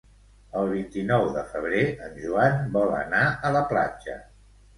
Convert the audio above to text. El vint-i-nou de febrer en Joan vol anar a la platja.